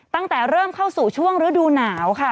ตั้งแต่เริ่มเข้าสู่ช่วงฤดูหนาวค่ะ